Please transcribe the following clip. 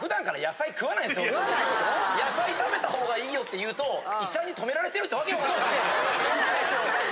野菜食べたほうがいいよって言うと医者に止められてるって訳わからないこと言う。